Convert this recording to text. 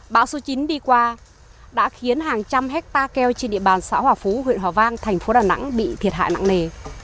bão số chín đi qua đã khiến hàng trăm hectare keo trên địa bàn xã hòa phú huyện hòa vang thành phố đà nẵng bị thiệt hại nặng nề